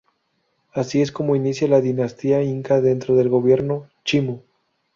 Así es como inicia la dinastía Inca dentro del gobierno Chimú.